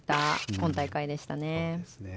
今大会でしたね。